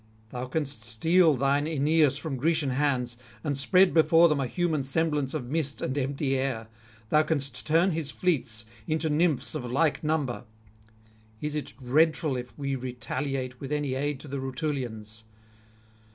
Thou canst steal thine Aeneas from Grecian hands, and spread before them a human semblance of mist and empty air; thou canst turn his fleet into nymphs of like number: is it dreadful if we retaliate with any aid to the Rutulians?